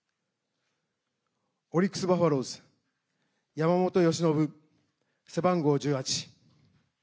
オリックス・バファローズ山本由伸、背番号１８。